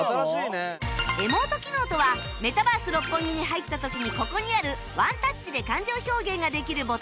エモート機能とはメタバース六本木に入った時にここにあるワンタッチで感情表現ができるボタンの事